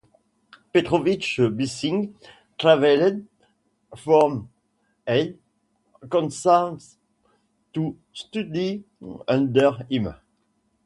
Petrowitsch Bissing traveled from Hays, Kansas to study under him.